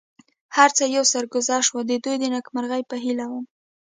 هر څه یو سرګذشت و، د دوی د نېکمرغۍ په هیله ووم.